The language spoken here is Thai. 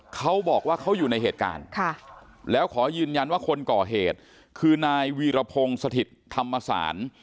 เขาบอกว่าเขาอยู่ในเหตุการณ์แล้วขอยืนยันว่าคนก่อเหตุคือนายวีรพงศ์สถิตธรรมศาล